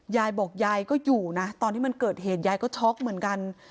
ยายบอกยายก็อยู่นะตอนที่มันเกิดเหตุยายก็ช็อกเหมือนกัน